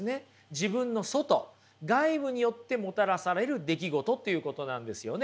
自分の外外部によってもたらされる出来事ということなんですよね。